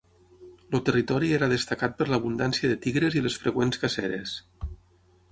El territori era destacat per l'abundància de tigres i les freqüents caceres.